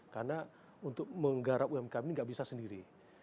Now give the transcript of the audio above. karena untuk menggarap umkm ini gak bisa sendiri